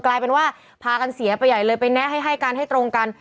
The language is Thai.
กลายเป็นว่าพากันเสียไปใหญ่เลยไปแนะให้การให้ตรงกัน